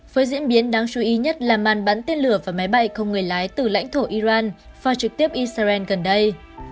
với diễn biến đáng chú ý nhất là màn bắn tên lửa và máy bay không người lái từ lãnh thổ iran pha trực tiếp israel gần đây